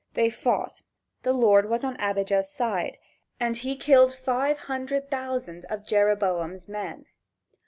They fought. The Lord was on Abijah's side, and he killed five hundred thousand of Jereboam's men.